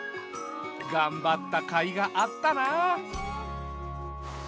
がんばったかいがあったな。